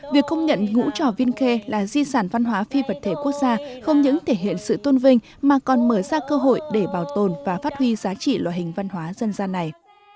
việc công nhận ngũ trò viên khê là di sản văn hóa phi vật thể quốc gia không những thể hiện sự tôn vinh mà còn mở ra cơ hội để bảo tồn và phát huy giá trị loại hình văn hóa dân gian này